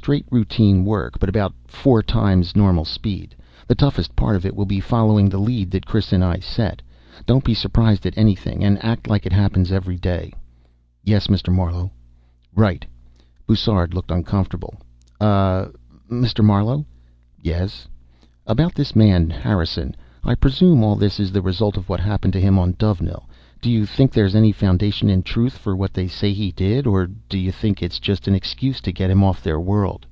Straight routine work, but about four times normal speed. The toughest part of it will be following the lead that Chris and I set. Don't be surprised at anything, and act like it happens every day." "Yes, Mr. Marlowe." "Right." Bussard looked uncomfortable. "Ah ... Mr. Marlowe?" "Yes?" "About this man, Harrison. I presume all this is the result of what happened to him on Dovenil. Do you think there's any foundation in truth for what they say he did? Or do you think it's just an excuse to get him off their world?"